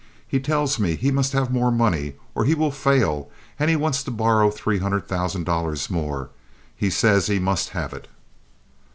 He tells me he must have more money or he will fail and he wants to borrow three hundred thousand dollars more. He says he must have it."